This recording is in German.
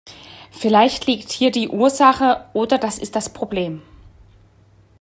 Vielleicht liegt hier die Ursache oder das ist das Problem.